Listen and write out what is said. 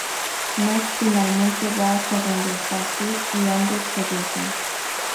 Mike finalmente, va hasta donde está Syd y ambos se besan.